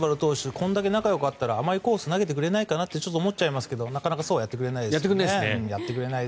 こんだけ仲よかったら甘いコース投げてくれないかなってちょっと思っちゃいますけどなかなかそうはやってくれないでしょうね。